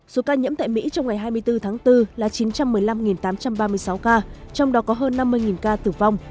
số ca nhiễm tại mỹ trong ngày hai mươi bốn tháng bốn là chín trăm một mươi năm tám trăm ba mươi sáu ca trong đó có hơn năm mươi ca tử vong